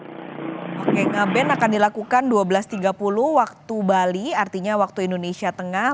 oke ngaben akan dilakukan dua belas tiga puluh waktu bali artinya waktu indonesia tengah